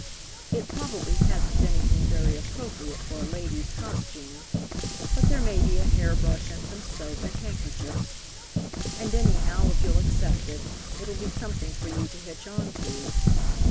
It probably hasn't anything very appropriate for a lady's costume, but there may be a hair brush and some soap and handkerchiefs. And, anyhow, if you'll accept it, it'll be something for you to hitch on to.